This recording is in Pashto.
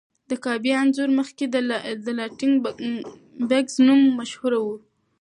د کعبې انځور مخکې د لایټننګ بګز نوم مشهور و.